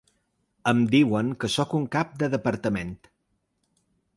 Em diuen que sóc un cap de departament.